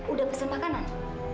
udah pesen makanan